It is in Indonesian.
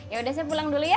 ya udah saya pulang dulu ya